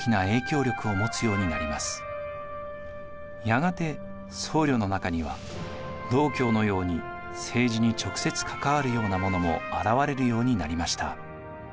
やがて僧侶の中には道鏡のように政治に直接関わるような者も現れるようになりました。